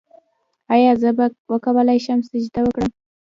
ایا زه به وکولی شم سجده وکړم؟